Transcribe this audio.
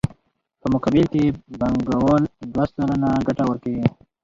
په مقابل کې یې بانکوال دوه سلنه ګټه ورکوي